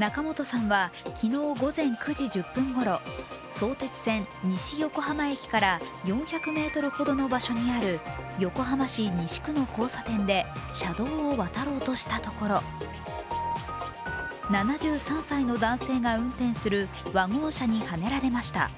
仲本さんは昨日午前９時１０分頃、相鉄線・西横浜駅から４００ｍほどの場所にある横浜市西区の交差点で車道を渡ろうとしたところ７３歳の男性が運転するワゴン車にはねられました。